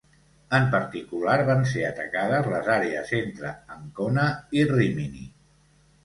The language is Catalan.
En particular van ser atacades les àrees entre Ancona i Rímini.